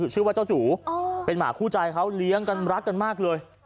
ชื่อว่าเจ้าจูเป็นหมาคู่ใจเขาเลี้ยงกันรักกันมากเลย